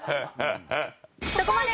そこまで！